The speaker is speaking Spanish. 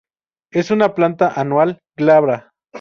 Es una planta anual, glabra.